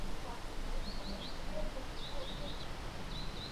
আমি সেলাই খুলতে যাচ্ছি, ব্যাথা লাগবে।